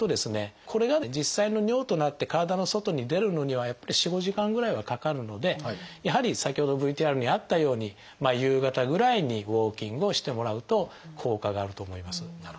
これが実際の尿となって体の外に出るのには４５時間ぐらいはかかるのでやはり先ほどＶＴＲにあったように夕方ぐらいにウォーキングをしてもらうと効果があると思います。